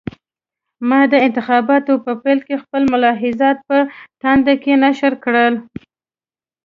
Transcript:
ما د انتخاباتو په پیل کې خپل ملاحضات په تاند کې نشر کړل.